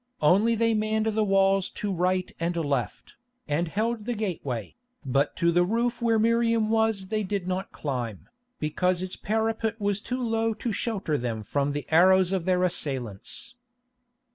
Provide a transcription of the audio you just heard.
Only they manned the walls to right and left, and held the gateway, but to the roof where Miriam was they did not climb, because its parapet was too low to shelter them from the arrows of their assailants.